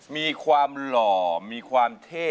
มีความหล่อมีความเท่